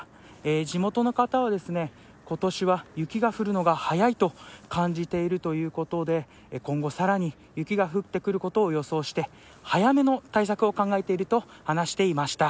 地元の方は今年は雪が降るのが早いと感じているということで今後、さらに雪が降ってくることを予想して早めの対策を考えていると話していました。